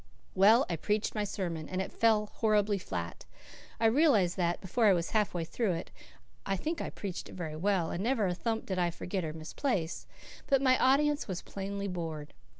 Well, I preached my sermon. And it fell horribly flat. I realized that, before I was half way through it. I think I preached it very well; and never a thump did I forget or misplace. But my audience was plainly bored.